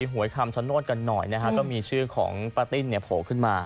หวยคำชโนธกันหน่อยนะฮะก็มีชื่อของป้าติ้นเนี่ยโผล่ขึ้นมา